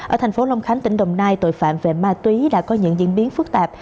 ở thành phố long khánh tỉnh đồng nai tội phạm về ma túy đã có những diễn biến phức tạp